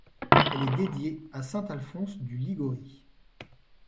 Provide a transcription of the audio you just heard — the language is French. Elle est dédiée à saint Alphonse de Liguori.